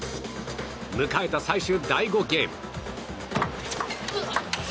迎えた最終第５ゲーム。